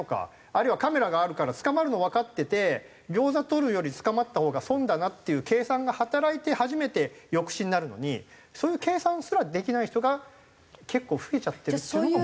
あるいはカメラがあるから捕まるのわかってて餃子取るより捕まったほうが損だなっていう計算が働いて初めて抑止になるのにそういう計算すらできない人が結構増えちゃってるっていうのが。